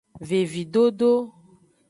Vevidodo.